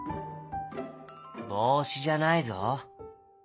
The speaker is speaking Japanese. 「ぼうしじゃないぞ」。